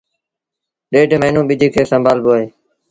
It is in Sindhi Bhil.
ڏيڍ موهيݩون ٻج کي سنڀآ لبو اهي